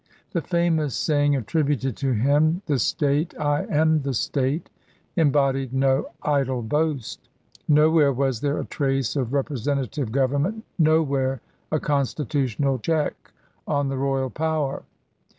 The famous saying attributed to him, "'The State! I am the State !*' embodied no idle boast. Nowhere was there a trace of representative government, nowhere a constitutional check on the royal power.